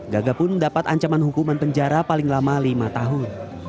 gaga pun mendapat ancaman hukuman penjara paling lama lima tahun